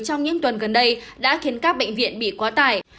trong những tuần gần đây đã khiến các bệnh viện bị quá tải